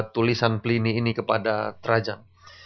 tulisan pelini ini kepada terajan